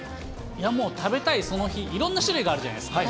いや、もう食べたいその日、いろんな種類があるじゃないですか。